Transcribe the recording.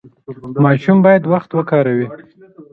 ماشوم باید وخت وکاروي.